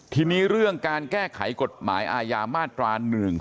ทีนี้เรื่องการแก้ไขกฎหมายอาญามาตรา๑๔